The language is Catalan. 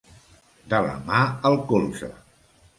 De la mà al colze.